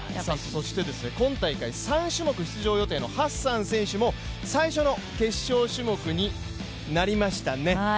そして今大会３種目出場予定のハッサン選手も最初の決勝種目になりました。